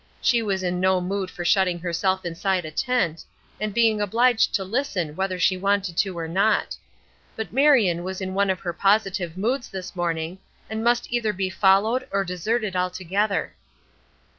She was in no mood for shutting herself inside a tent, and being obliged to listen whether she wanted to or not. But Marion was in one of her positive moods this morning, and must either be followed or deserted altogether.